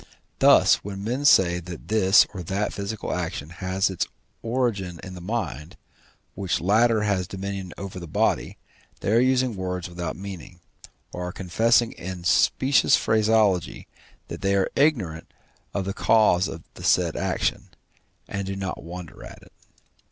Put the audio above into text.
Thus, when men say that this or that physical action has its origin in the mind, which latter has dominion over the body, they are using words without meaning, or are confessing in specious phraseology that they are ignorant of the cause of the said action, and do not wonder at it.